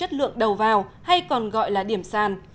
chất lượng đầu vào hay còn gọi là điểm sàn